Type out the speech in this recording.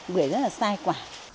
bưởi rất là sâu